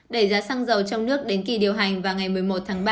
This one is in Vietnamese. để giá xăng dầu trong nước đến kỳ điều hành và ngày một mươi một tháng ba